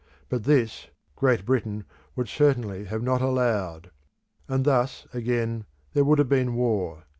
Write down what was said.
But this, Great Britain would certainly have not allowed; and thus, again, there would have been war.